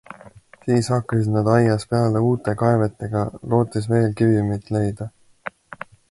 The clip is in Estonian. Siis hakkasid nad aias peale uute kaevetega, lootes veel kivimit leida.